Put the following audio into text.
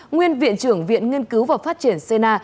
nguyên viện trưởng viện nghiên cứu và phát triển cna